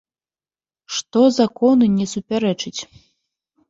Што закону не супярэчыць.